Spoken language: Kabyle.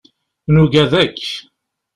Nugad akk.